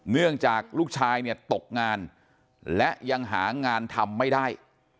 เนื่องจากลูกชายเนี่ยตกงานและยังหางานทำไม่ได้